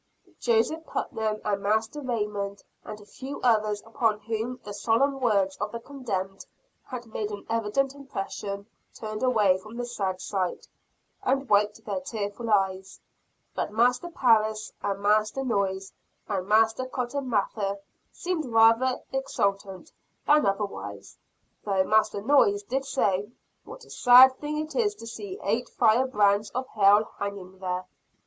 Joseph Putnam and Master Raymond, and a few others upon whom the solemn words of the condemned had made an evident impression, turned away from the sad sight, and wiped their tearful eyes. But Master Parris and Master Noyes, and Master Cotton Mather seemed rather exultant than otherwise; though Master Noyes did say; "What a sad thing it is to see eight firebrands of hell hanging there!"